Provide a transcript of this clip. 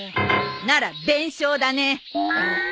なら弁償だね。